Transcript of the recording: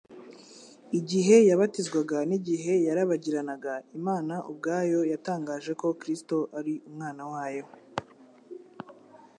Igihe yabatizwaga n'igihe yarabagiranaga, Imana ubwayo yatangaje ko Kristo ari Umwana wayo.